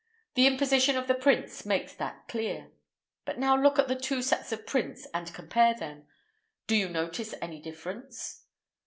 The imposition of the prints makes that clear. But now look at the two sets of prints, and compare them. Do you notice any difference?"